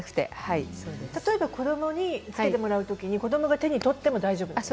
子どもにつけてもらうとき子どもが手に取っても大丈夫ですか？